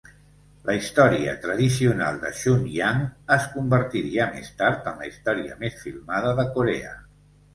La història tradicional de "Chunhyang" es convertiria més tard en la història més filmada de Corea.